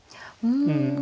うん。